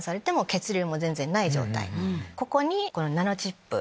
ここに。